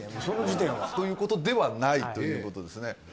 その時点はということではないということですね